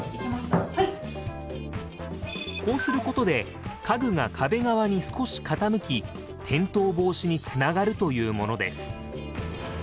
こうすることで家具が壁側に少し傾き転倒防止につながるというものです。